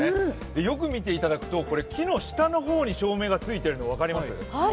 よく見ていただくと、木の下の方に照明が付いているの分かります？